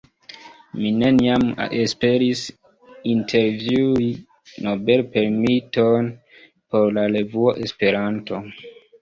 Mi neniam esperis intervjui Nobel-premiiton por la revuo Esperanto!